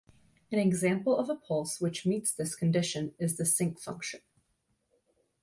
An example of a pulse which meets this condition is the sinc function.